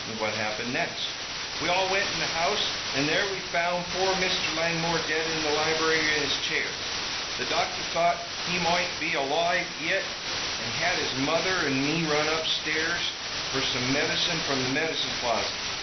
"What happened next?" "We all wint in the house, an' there we found poor Mr. Langmore dead in the library, in his chair. The doctor thought he moight be aloive yit an' had his mother an' me run upstairs fer some medicine from the medicine closet.